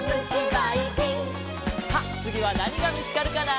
さあつぎはなにがみつかるかな？